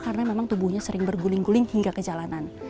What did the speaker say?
karena memang tubuhnya sering berguling guling hingga ke jalanan